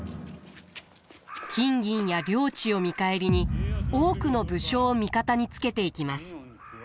金銀や領地を見返りに多くの武将を味方につけていきます。